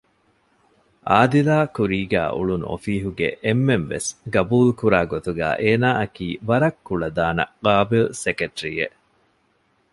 އާދިލާ ކުރީގައި އުޅުނު އޮފީހުގެ އެންމެންވެސް ގަބޫލު ކުރާގޮތުގައި އޭނާއަކީ ވަރަށް ކުޅަދާނަ ޤާބިލް ސެކެޓްރީއެއް